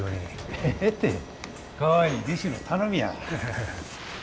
ええてかわいい弟子の頼みや。